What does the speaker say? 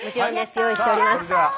用意しております。